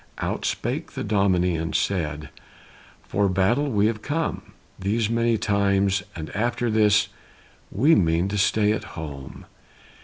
Out spake the Dominie and said, "For battle have we come These many times, and after this We mean to stay at home."